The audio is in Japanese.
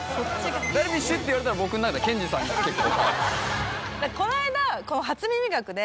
「ダルビッシュ」って言われたら僕の中では研二さんが結構。